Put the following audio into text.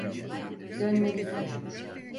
Dönmelisin.